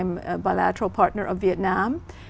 chủ tịch trudeau đến việt nam